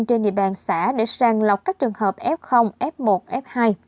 trên địa bàn xã để sàng lọc các trường hợp f f một f hai